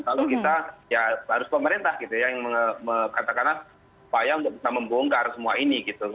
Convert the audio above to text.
kalau kita ya harus pemerintah gitu ya yang katakanlah upaya untuk bisa membongkar semua ini gitu